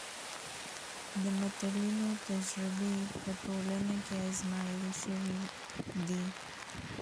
د متلونو تجربې په ټولنه کې ازمایل شوي دي